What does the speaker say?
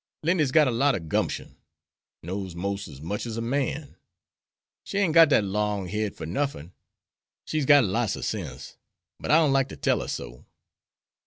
Lindy's got a lot ob gumption; knows most as much as a man. She ain't got dat long head fer nuffin. She's got lots ob sense, but I don't like to tell her so."